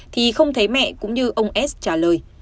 thì không thấy mẹ cũng như ông s trả lời